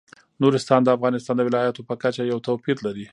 نورستان د افغانستان د ولایاتو په کچه یو توپیر لري.